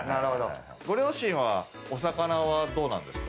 ご両親は、お魚はどうなんですか？